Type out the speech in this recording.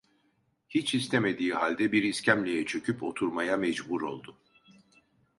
Hiç istemediği halde bir iskemleye çöküp oturmaya mecbur oldu.